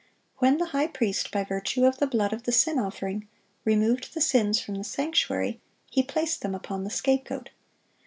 When the high priest, by virtue of the blood of the sin offering, removed the sins from the sanctuary, he placed them upon the scapegoat.